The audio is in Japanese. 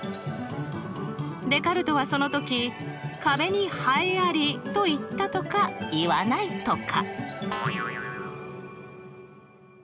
デカルトはその時「壁にはえあり」と言ったとか言わないとか。